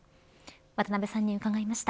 渡辺さんに伺いました。